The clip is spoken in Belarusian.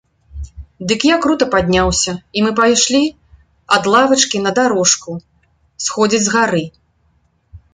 Дык я крута падняўся, і мы пайшлі ад лавачкі на дарожку, сходзіць з гары.